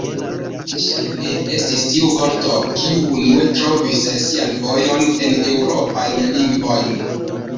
Ŝajne estis tiu vorto, kiu unue trovis sian vojon en eŭropajn lingvojn.